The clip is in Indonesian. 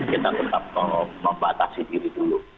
kita tetap membatasi diri dulu